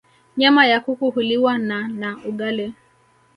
nyama ya kuku huliwa na na ugali